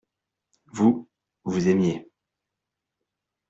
Vous, vous aimiez.